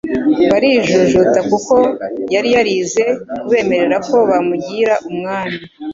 barijujuta kuko yari yarize kubemerera ko bamugira Umwami.